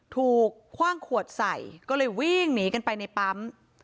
คว่างขวดใส่ก็เลยวิ่งหนีกันไปในปั๊ม